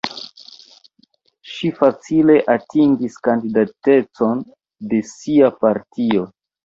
Ŝi facile atingis kandidatecon de sia partio.